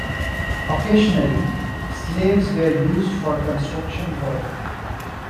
Occasionally, slaves were used for construction work.